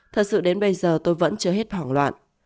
thật sự đến bây giờ tôi vẫn chưa hết hoảng loạn